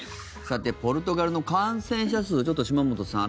ポルトガルの感染者数ちょっと島本さん